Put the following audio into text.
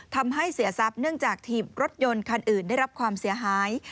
ทำให้เสียทรัพย์เนื่องจากถีบรถยนต์คันอื่นได้รับความเสียหาย